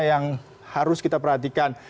yang harus kita perhatikan